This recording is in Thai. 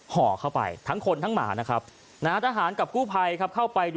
ห่อเข้าไปทั้งคนทั้งหมานะครับ